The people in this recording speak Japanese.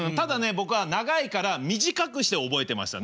僕は長いから短くして覚えてましたね。